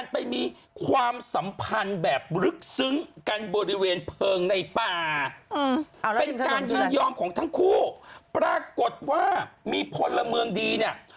เป็นการย่อมของทั้งคู่ปรากฎว่ามีคนละเมืองดีเนี้ย